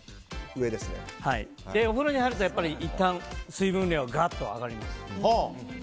お風呂に入ると、いったん水分量ががっと上がります。